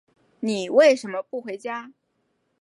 你为什么不回家？